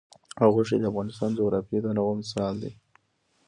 غوښې د افغانستان د جغرافیوي تنوع مثال دی.